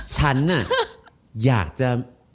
ฉันอยากจะ